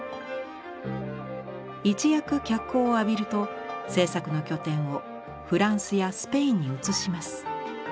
一躍脚光を浴びると制作の拠点をフランスやスペインに移します。